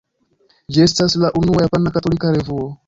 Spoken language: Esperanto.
Ĝi estas la unua japana katolika revuo.